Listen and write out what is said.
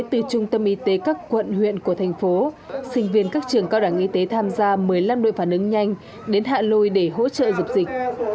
trung tâm y tế các quận huyện của thành phố sinh viên các trường cao đẳng y tế tham gia một mươi năm đội phản ứng nhanh đến hà lội để hỗ trợ dụng dịch